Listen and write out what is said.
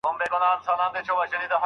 خاوند بايد سمدستي د بلي نکاح هڅه ونه کړي.